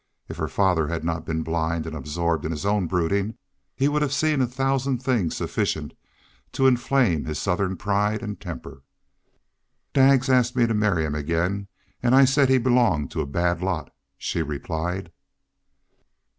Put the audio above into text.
If her father had not been blind and absorbed in his own brooding he would have seen a thousand things sufficient to inflame his Southern pride and temper. "Daggs asked me to marry him again and I said he belonged to a bad lot," she replied.